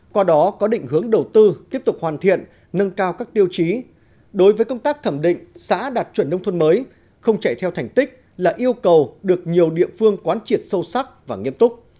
qua đó có định hướng đầu tư tiếp tục hoàn thiện nâng cao các tiêu chí đối với công tác thẩm định xã đạt chuẩn nông thôn mới không chạy theo thành tích là yêu cầu được nhiều địa phương quán triệt sâu sắc và nghiêm túc